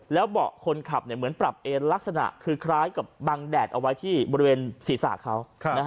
แล้วเบาะคนขับเหมือนปรับเอนลักษณะคือคล้ายกับบังแดดเอาไว้ที่บริเวณศีรษะเขา